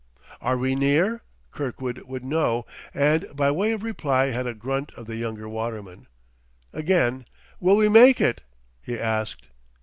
"Are we near?" Kirkwood would know; and by way of reply had a grunt of the younger waterman. Again, "Will we make it?" he asked.